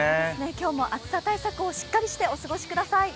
今日も暑さ対策をしっかりして、お過ごしください。